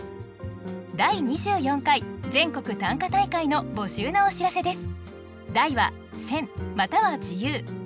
第２４回全国短歌大会の募集のお知らせです